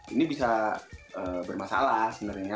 ini bisa bermasalah sebenarnya